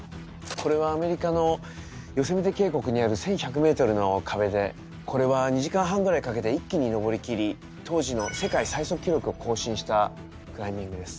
これはアメリカのヨセミテ渓谷にある１，１００メートルの壁でこれは２時間半ぐらいかけて一気に登りきり当時の世界最速記録を更新したクライミングです。